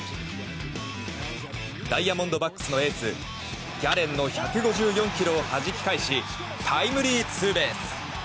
ダイヤモンドバックスのエースギャレンの１５４キロをはじき返しタイムリーツーベース！